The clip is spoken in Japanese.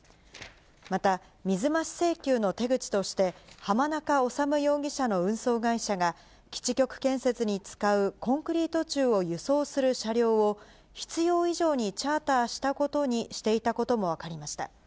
また、水増し請求の手口として、浜中治容疑者の運送会社が、基地局建設に使うコンクリート柱を輸送する車両を、必要以上にチャーターしたことにしていたことも分かりました。